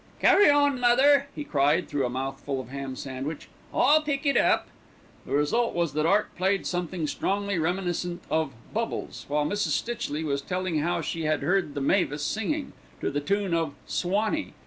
"Carry on, mother," he cried through a mouthful of ham sandwich, "I'll pick it up." The result was that Art played something strongly reminiscent of "Bubbles," whilst Mrs. Stitchley was telling how she had heard the mavis singing, to the tune of "Swanee."